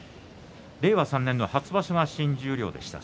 令和３年の初場所が新十両でした。